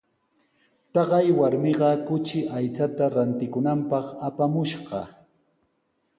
Taqay warmiqa kuchi aychata rantikunanpaq apamushqa.